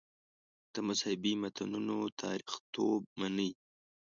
د مذهبي متنونو تاریخیتوب مني.